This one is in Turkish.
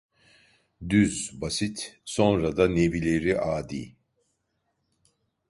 Düz, basit, sonra da nevileri adi.